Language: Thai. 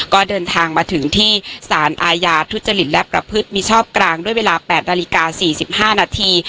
ก็เดินทางมาถึงที่สารอาญาทุจริตและประพฤติมิชอบกลางด้วยเวลา๘นาฬิกา๔๕นาที